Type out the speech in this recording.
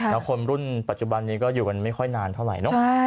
แล้วคนรุ่นปัจจุบันนี้ก็อยู่กันไม่ค่อยนานเท่าไหร่เนอะ